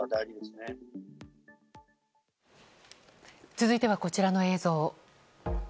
続いてはこちらの映像。